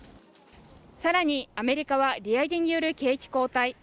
さらにアメリカは利上げによる景気後退